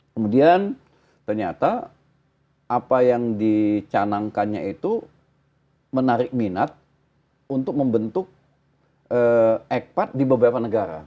kemudian ternyata apa yang dicanangkannya itu menarik minat untuk membentuk ekpat di beberapa negara